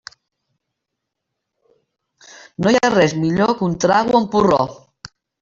No hi ha res millor que un trago amb porró.